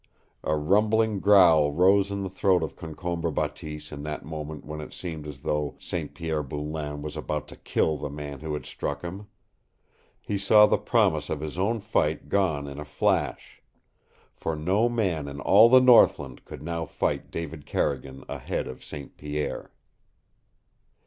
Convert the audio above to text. A rumbling growl rose in the throat of Concombre Bateese in that moment when it seemed as though St. Pierre Boulain was about to kill the man who had struck him. He saw the promise of his own fight gone in a flash. For no man in all the northland could now fight David Carrigan ahead of St. Pierre.